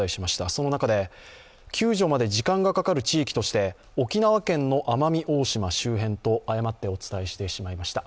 その中で、救助まで時間がかかる地域として、沖縄県の奄美大島周辺と誤ってお伝えしてしまいました。